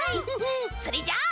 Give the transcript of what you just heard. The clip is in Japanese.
それじゃ。